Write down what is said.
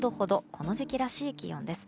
この時期らしい気温です。